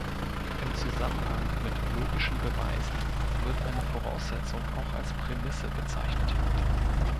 Im Zusammenhang mit logischen Beweisen wird eine Voraussetzung auch als Prämisse bezeichnet.